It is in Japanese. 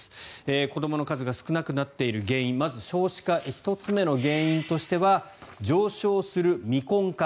子どもの数が少なくなっている原因まず少子化１つ目の原因としては上昇する未婚化。